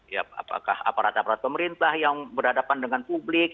ya apakah aparat aparat pemerintah yang berhadapan dengan publik